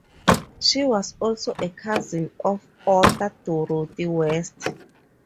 She was also a cousin of author Dorothy West.